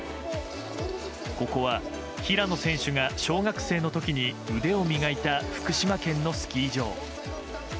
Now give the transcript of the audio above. ここは平野選手が小学生の時に腕を磨いた福島県のスキー場。